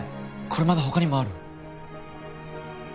これまだ他にもある？